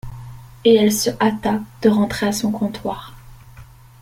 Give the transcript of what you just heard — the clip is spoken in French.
Et elle se hâta de rentrer à son comptoir.